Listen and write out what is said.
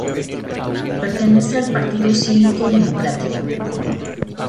Pertenece al Partido Cívico Democrático.